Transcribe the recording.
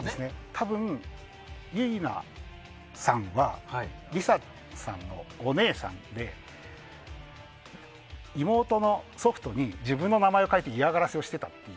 多分、ゆいなさんはりささんのお姉さんで妹のソフトに自分の名前を書いて嫌がらせをしていたと。